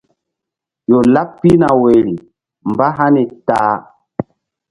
Ƴo laɓ pihna woyri mbáhani ta a.